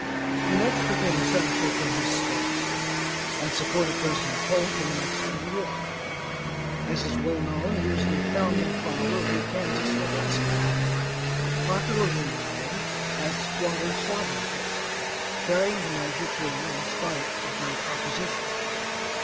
He next became a Senator from his State, and supported President Polk in the Mexican war. As is well known he was the father of the Kansas Nebraska act, popularly known as 'Squatter Sovereignty,' carrying the measure through in spite of great opposition.